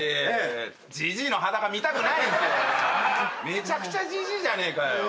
めちゃくちゃじじいじゃねえかよ。